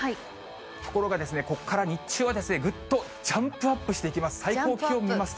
ところがここから日中はぐっとジャンプアップしていきます。